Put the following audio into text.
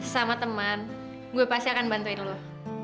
sama teman gue pasti akan bantuin lo